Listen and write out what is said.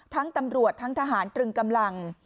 ทั้งตำรวจทั้งทหารตรึงกำลัง